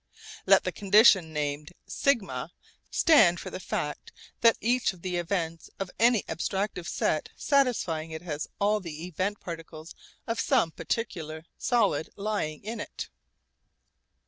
Let the condition named σ stand for the fact that each of the events of any abstractive set satisfying it has all the event particles of some particular solid lying in it.